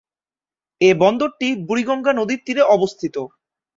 এই বন্দরটি বুড়িগঙ্গা নদীর তীরে অবস্থিত।